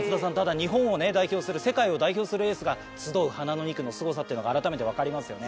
日本を代表する世界を代表するエースが集う花の２区のすごさっていうのが改めて分かりますよね。